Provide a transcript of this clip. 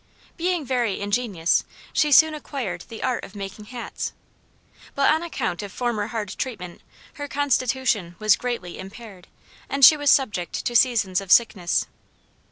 Being very ingenious, she soon acquired the art of making hats; but on account of former hard treatment, her constitution was greatly impaired, and she was subject to seasons of sickness.